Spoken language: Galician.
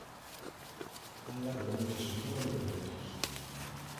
Álvaro é neto e sobriño de pilotos.